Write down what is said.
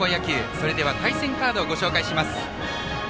それでは対戦カードをご紹介します。